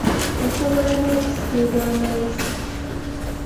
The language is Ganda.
Osobola n’okusibwa amayisa.